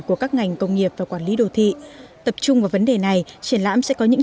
của các ngành công nghiệp và quản lý đô thị tập trung vào vấn đề này triển lãm sẽ có những